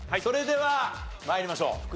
それでは参りましょう。